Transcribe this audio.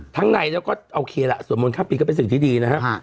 ในแล้วก็โอเคล่ะสวดมนต์ข้ามปีก็เป็นสิ่งที่ดีนะฮะ